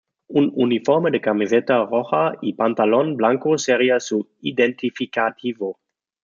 Un uniforme de camiseta roja y pantalón blanco sería su identificativo.